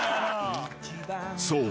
［そう。